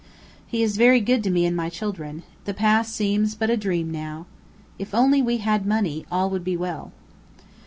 "He is very good to me and my children; the past seems but a dream now. If only we had money, all would be well."